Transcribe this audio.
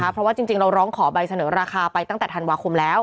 เพราะว่าจริงเราร้องขอใบเสนอราคาไปตั้งแต่ธันวาคมแล้ว